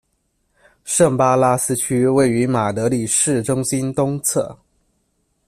圣巴拉斯区位于马德里市中心东侧。